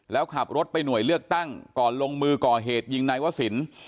แล้วขับรถไปหน่วยเลือกตั้งก่อนลงมือก่อเหตุยิงนายวศิลป์